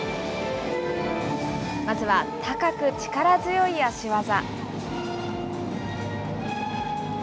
まずは高く力強い足技。